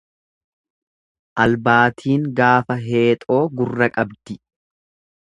Albaatiin gaafa heexoo gurra qabdi.